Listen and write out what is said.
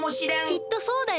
きっとそうだよ！